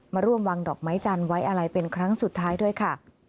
มาร่วมวางดอกไม้จันทร์ไว้อะไรเป็นครั้งสุดท้ายด้วยค่ะ